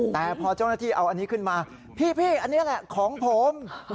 แต่พอเจ้าหน้าที่เอาอันนี้ขึ้นมาพี่อันนี้แหละของผม